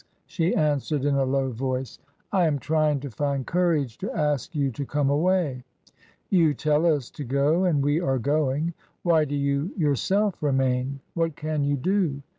she answered in a low voice, "I am trying to find courage to ask you to come away. You tell us to go and we are going; why do you yourself remain? What can you do?